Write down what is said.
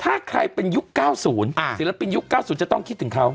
ถ้าใครเป็นยุค๙๐ศิลปินยุค๙๐จะต้องคิดถึงเขา